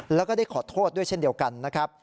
แล้วก็ได้ขอโทษด้วยเช่นเดียวกันนะครับ